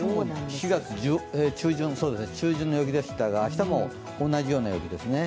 ４月中旬の陽気でしたが明日も同じような陽気ですね。